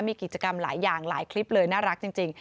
มีกิจกรรมหลายอย่างหลายคลิปเลยน่ารักจริง